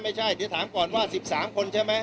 ไม่ใช่เดี๋ยวถามก่อนว่า๑๓คนใช่ไหม